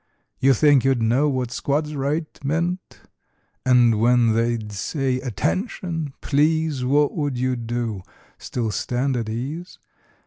You think you'd know what "squads right" meant? And when they'd say "Attention!" Please What would you do? Still stand at ease?